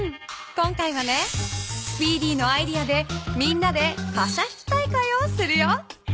今回はねスピーディーのアイデアでみんなでかしゃ引き大会をするよ。